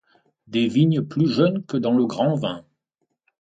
Des vignes plus jeunes que dans le grand vin.